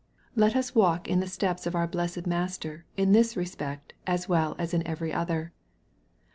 Let us walk in the steps of our blessed Master in this respect as well as in every other.